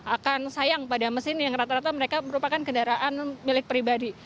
akan sayang pada mesin yang rata rata mereka merupakan kendaraan milik pribadi